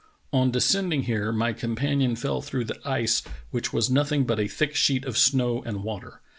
On descending here my companion fell through the ice which was nothing but a thick sheet of snow and water.